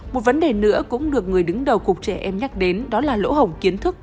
một vấn đề nữa cũng được người đứng đầu cục trẻ em nhắc đến đó là lỗ hổng kiến thức